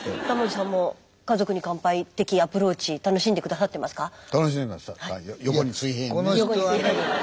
タモリさんも「家族に乾杯」的アプローチ楽しんで下さってますか？